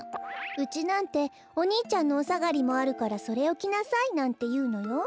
うちなんてお兄ちゃんのおさがりもあるからそれをきなさいなんていうのよ。